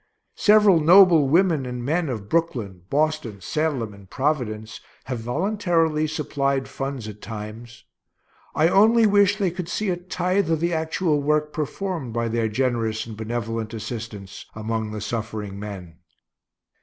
Several noble women and men of Brooklyn, Boston, Salem, and Providence, have voluntarily supplied funds at times. I only wish they could see a tithe of the actual work performed by their generous and benevolent assistance among the suffering men.